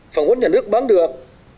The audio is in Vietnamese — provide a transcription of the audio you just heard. phần vốn nhà nước bán được